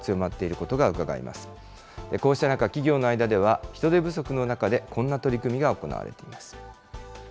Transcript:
こうした中、企業の間では、人手不足の中でこんな取り組みが行われています。